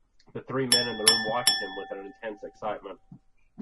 The three men in the room watched him with an intense excitement.